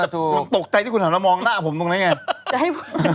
ตกใจที่คุณถามแล้วมองหน้าผมตรงนั้นไง